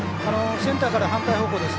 センターから反対方向。